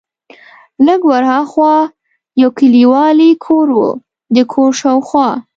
لږ ور ها خوا یو کلیوالي کور و، د کور شاوخوا.